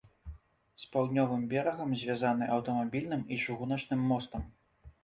З паўднёвым берагам звязаны аўтамабільным і чыгуначным мостам.